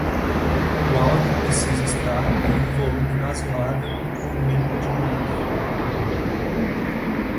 o áudio precisa estar em um volume razoável e com o mínimo de ruídos